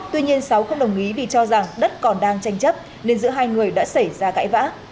tuy nhiên sáu không đồng ý vì cho rằng đất còn đang tranh chấp nên giữa hai người đã xảy ra cãi vã